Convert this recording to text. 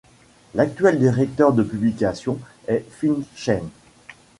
L'actuel directeur de publication est Feng Chen.